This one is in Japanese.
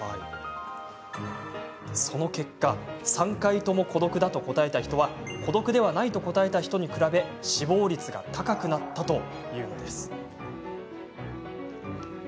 その結果３回とも「孤独だ」と答えた人は「孤独ではない」と答えた人に比べ、死亡率が高くなったというのです。